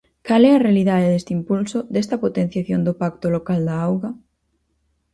¿Cal é a realidade deste impulso, desta potenciación do Pacto local da auga?